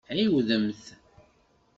Ɛiwdemt!